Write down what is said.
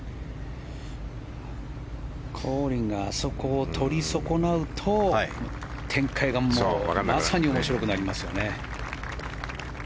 コーリーがあそこを取りそこなうと展開がまさに面白くなりますよね。